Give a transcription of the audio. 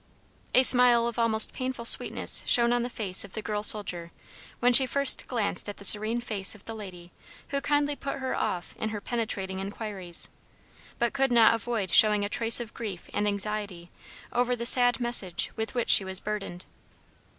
A smile of almost painful sweetness shone on the face of the girl soldier when she first glanced at the serene face of the lady who kindly put her off in her penetrating inquiries, but could not avoid showing a trace of grief and anxiety over the sad message with which she was burdened.